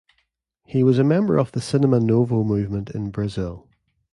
He was a member of the Cinema Novo movement in Brazil.